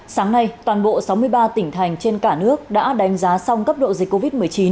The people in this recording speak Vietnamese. sáng nay toàn bộ sáu mươi ba tỉnh thành trên cả nước đã đánh giá xong cấp độ dịch covid một mươi chín